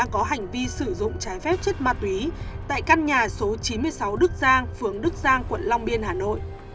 có hành vi sử dụng trái phép chất ma túy tại căn nhà số chín mươi sáu đức giang phường đức giang quận long biên hà nội